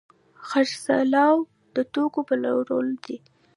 خرڅلاو د توکو پلورل دي.